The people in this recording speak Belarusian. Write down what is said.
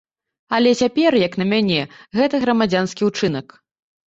Але цяпер, як на мяне, гэта грамадзянскі ўчынак.